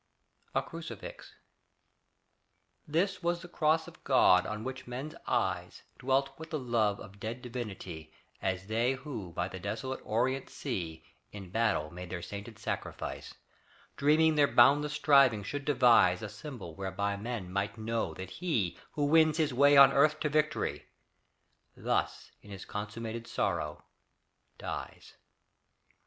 A CRUCIFIX This was the cross of God on which men's eyes Dwelt with the love of dead divinity, As they who by the desolate orient sea In battle made their sainted sacrifice, Dreaming their boundless striving should devise A symbol whereby men might know that he Who wins his way on earth to victory, Thus in his consummated sorrow dies.